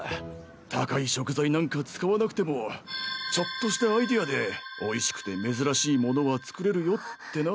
高い食材なんか使わなくてもちょっとしたアイデアでおいしくて珍しいものは作れるよってな。